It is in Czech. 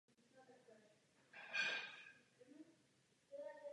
Původní název byl obnoven po skončení druhé světové války.